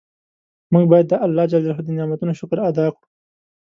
مونږ باید د الله ج د نعمتونو شکر ادا کړو.